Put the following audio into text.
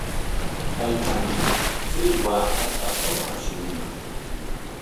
Taytanchik chay waakata qumaashunman.